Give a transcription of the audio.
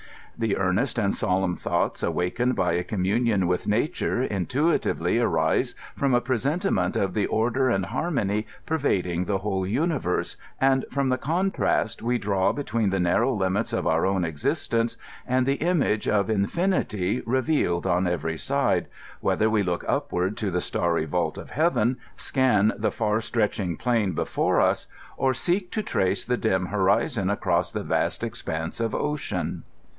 The earnest and solenm thoughts awakened by a communion with nature intuitively arise from a presentiment of the order »and harmcmy pervading the whole universe, and firom the contrast we draw between the narrow limits of our own ex istence and the image of infinity revealed on every side, wheth er we look upward to the starry vault of heaven, scan the far stretching plain before us, or seek to trace the dim horizon across the vast expanse of ocean.